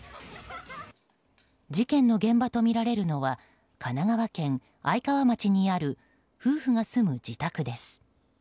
事件の現場とみられるのは神奈川県愛川町にある夫婦が住む自宅です。